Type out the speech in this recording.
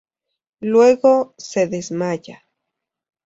Luego, se desmaya.